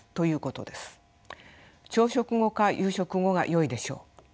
朝食後か夕食後がよいでしょう。